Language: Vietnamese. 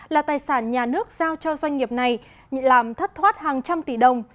là tài sản nhà nước giao cho doanh nghiệp này làm thất thoát hàng trăm tỷ đồng